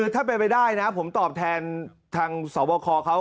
ถ้าเป็นไปได้นะผมตอบแทนทางสวบคเขา